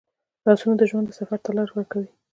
لاسونه د ژوند سفر ته لار کوي